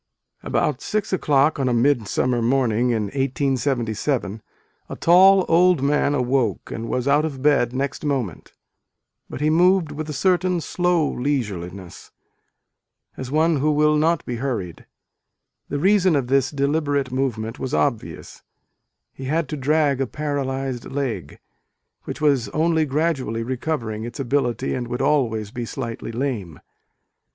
not be hurried. BOUT six o clock on a mid summer morning in 1877, a tall old man awoke, and was out of bed next moment, but he moved with a certain slow leisureliness, as one who will The reason of this deliberate movement was obvious, he had to drag a paralysed leg, which was only gradually re covering its ability and would always be slightly lame.